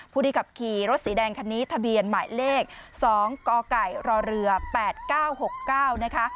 ผู้ที่ขับขี่รถสีแดงคันนี้ทะเบียนหมายเลข๒กกรเรือ๘๙๖๙นะคะ